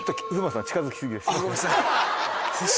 あっごめんなさい。